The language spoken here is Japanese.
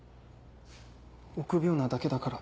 臆病なだけだから。